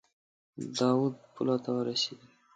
د اود پولو ته ورسیږي.